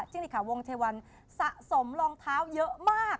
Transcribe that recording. จิกณิกาวงท์เทวันอาจจะสะสมรองเท้าเยอะมาก